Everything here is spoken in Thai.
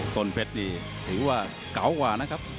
ต้นเพชรนี่ถือว่าเก่ากว่านะครับ